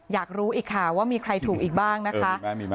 อยากรู้อีกค่ะว่ามีใครถูกอีกบ้างนะคะ